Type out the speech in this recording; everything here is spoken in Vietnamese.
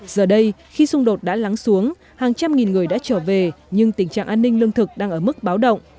giờ đây khi xung đột đã lắng xuống hàng trăm nghìn người đã trở về nhưng tình trạng an ninh lương thực đang ở mức báo động